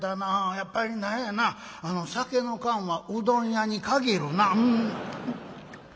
やっぱり何やな酒の燗はうどん屋に限るな」。